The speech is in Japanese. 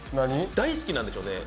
大好きなんでしょうね。